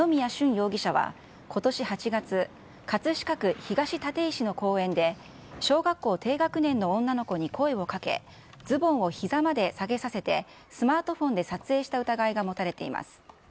容疑者はことし８月、葛飾区東立石の公園で、小学校低学年の女の子に声をかけ、ズボンをひざまで下げさせて、スマートフォンで撮影した疑いが持たれています。